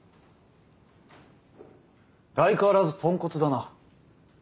相変わらずポンコツだな。